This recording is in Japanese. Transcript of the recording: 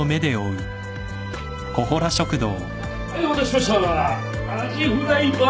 はいお待たせしましたあじフライバーガー！